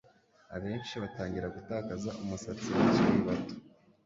abenshi batangira gutakaza umusatsi bakiri bato